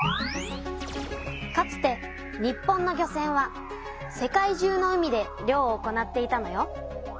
かつて日本の漁船は世界中の海で漁を行っていたのよ。